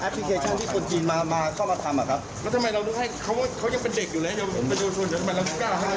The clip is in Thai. ปากกับภาคภูมิ